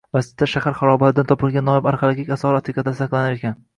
Masjidda shahar xarobalaridan topilgan noyob arxeologik osori-atiqalar saqlanar ekan